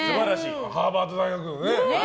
ハーバード大学ね。